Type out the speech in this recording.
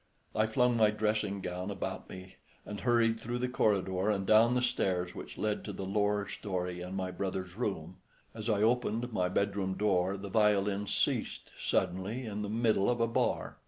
I flung my dressing gown about me, and hurried through the corridor and down the stairs which led to the lower storey and my brother's room. As I opened my bedroom door the violin ceased suddenly in the middle of a bar.